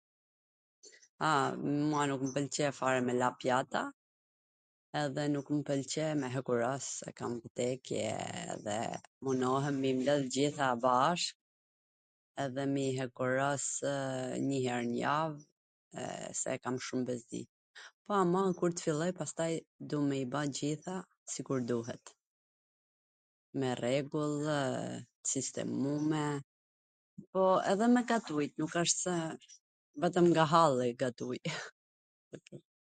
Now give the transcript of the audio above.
A, mua nuk mw pwlqen fare me la pjata edhe nuk mw pwlqe me hekuros, e kam vdekje, dhe munohem me i mbledh t gjitha bashk edhe m i hekuros njw her n jav, se e kam shum bezdi, po ama kur t filloj due me i ba tw gjitha, duhet, me rregullw, t sistemume, po edhe me gatujt, nuk asht se vetwm nga halli gatuj.